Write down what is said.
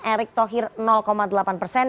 erik tohir delapan persen